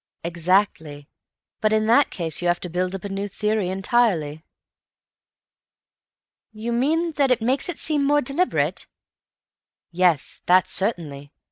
"Exactly. But in that case you have to build up a new theory entirely." "You mean that it makes it seem more deliberate?" "Yes; that, certainly.